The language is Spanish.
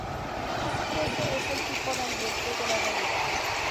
Así que ese es el tipo de ambiente de la realidad".